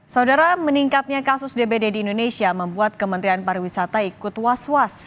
saudara meningkatnya kasus dbd di indonesia membuat kementerian pariwisata ikut was was